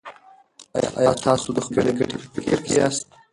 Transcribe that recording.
ایا تاسو د خپلې ګټې په فکر کې یاست.